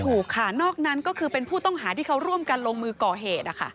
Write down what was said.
ถูกค่ะนอกนั้นก็คือเป็นผู้ต้องหาที่เขาร่วมกันลงมือก่อเหตุ